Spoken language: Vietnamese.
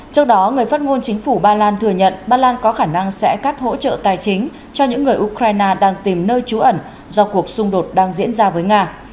trước đó người phát ngôn chính phủ ba lan thừa nhận ba lan có khả năng sẽ cắt hỗ trợ tài chính cho những người ukraine đang tìm nơi trú ẩn do cuộc xung đột đang diễn ra với nga